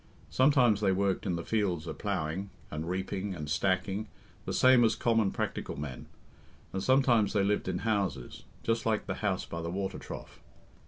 Sometimes they worked in the fields at ploughing, and reaping, and stacking, the same as common practical men; and sometimes they lived in houses, just like the house by the water trough.